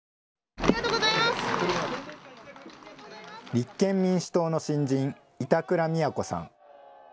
立憲民主党の新人、板倉京さん。